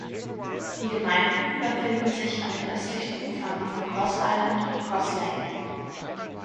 Die Gemeinden befinden sich an den östlichen Ufern von Cross Island und Cross Lake.